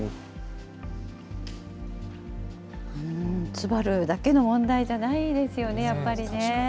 ツバルだけの問題じゃないですよね、やっぱりね。